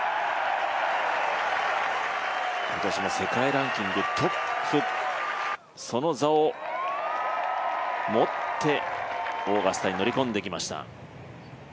今年も世界ランキングトップ、その座を持ってオーガスタに乗り込んできました。